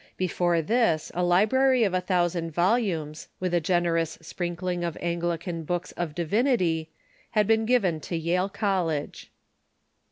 Before this a Iil)rary of a thousand volumes, with a generous sprinkling of Anglican books of divinity, had been given to Yale College.